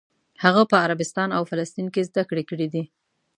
هغه په عربستان او فلسطین کې زده کړې کړې دي.